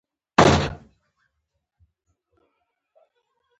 راتلونکی څنګه جوړ کړو؟